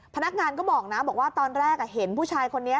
พนักงานก็บอกนะบอกว่าตอนแรกเห็นผู้ชายคนนี้